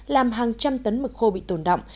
làm hàng trăm tấn mực khô bị tồn đọng